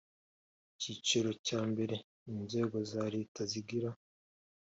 Icyiciro cya mbere inzego za leta zigira